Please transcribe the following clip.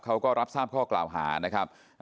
เขาก็รับทราบข้อกล่าวหานะครับ